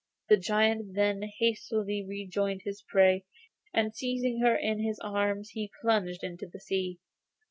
The giant then hastily rejoined his prey, and, seizing her in his arms, he plunged her into the sea.